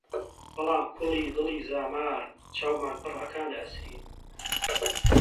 بەڵام کوڵی دڵی زامار، چاومان پڕ ئەکا لە ئەسرین!